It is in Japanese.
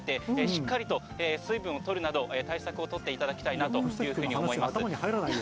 しっかりと水分を取るなど対策をとっていただきたいと思います。